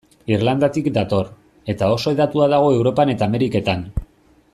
Irlandatik dator, eta oso hedatua dago Europan eta Ameriketan.